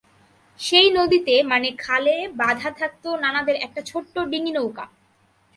সেই নদীতে মানে খালে বাঁধা থাকত নানাদের একটা ছোট্ট ডিঙি নৌকা।